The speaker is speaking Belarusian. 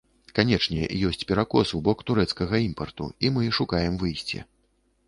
Канечне, ёсць перакос у бок турэцкага імпарту, і мы шукаем выйсце.